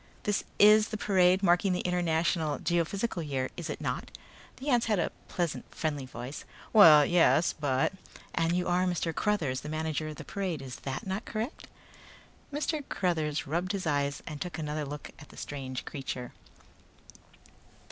"This is the parade marking the International Geophysical Year, is it not?" The ant had a pleasant, friendly voice. "Well, yes, but " "And you are Mr. Cruthers, the manager of the parade, is that not correct?" Mr. Cruthers rubbed his eyes and took another look at the strange creature.